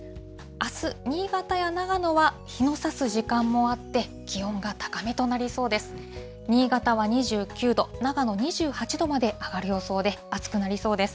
あす、新潟や長野は日のさす時間もあって、気温が高めとなりそうです。